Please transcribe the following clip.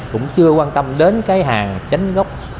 cũng chưa quan tâm đến cái hàng chánh gốc